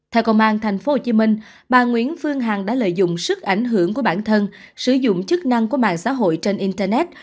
theo công an tp hcm bà nguyễn phương hằng đã lợi dụng sức ảnh hưởng của bản thân sử dụng chức năng của mạng xã hội trên internet